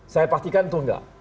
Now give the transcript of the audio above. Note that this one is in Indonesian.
saya pastikan itu enggak